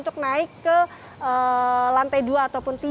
ke lantai dua ataupun tiga